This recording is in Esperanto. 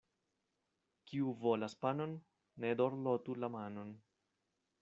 Kiu volas panon, ne dorlotu la manon.